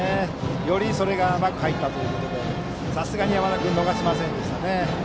より、それが甘く入ったということでさすがに山田君逃しませんでした。